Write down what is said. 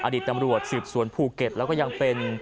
อดีตตำรวจสืบสวนภูเก็ตแล้วก็ยังเป็น